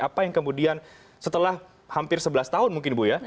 apa yang kemudian setelah hampir sebelas tahun mungkin ibu ya